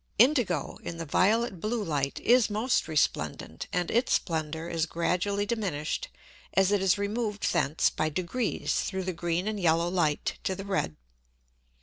Indigo in the violet blue Light is most resplendent, and its splendor is gradually diminish'd, as it is removed thence by degrees through the green and yellow Light to the red.